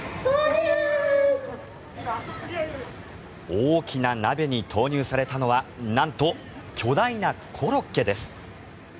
大きな鍋に投入されたのはなんと巨大なコロッケです。